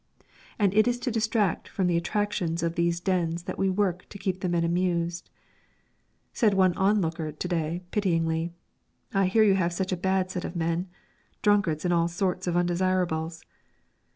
And it is to detract from the attractions of these dens that we work to keep the men amused. Said one onlooker to day pityingly: "I hear you have such a bad set of men drunkards and all sorts of undesirables!"